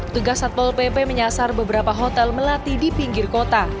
tugas satpol pp menyasar beberapa hotel melati di pinggir kota